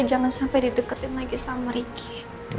jangan sampai dideketin lagi sama ricky